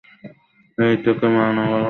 হেই, তোকে মানা করছি।